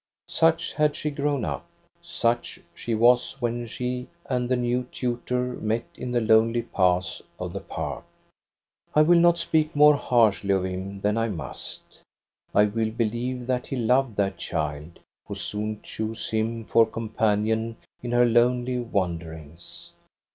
" Sucjjjiad she grown up ; such ^she was when she and the new tutor met in the lonely paths of the park. " I will not speak more harshly of him than I must. I will believe that he loved that child, who soon chose him for companion in her lonely wanderings.